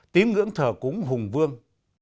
tiếng ngưỡng thở cúng hùng vương